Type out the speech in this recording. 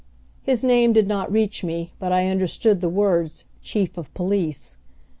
His name did not reach me, but I understood the words "Chief of Police."